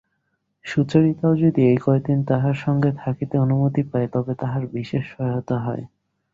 সুচরিতাও যদি এ কয়দিন তাঁহার সঙ্গে থাকিতে অনুমতি পায় তবে তাঁহার বিশেষ সহায়তা হয়।